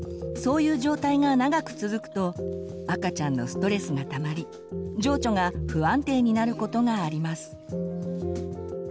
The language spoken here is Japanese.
そういう状態が長く続くと赤ちゃんのストレスがたまり情緒が不安定になることがあります。